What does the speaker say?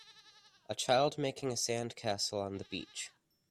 A child making a sand castle on the beach.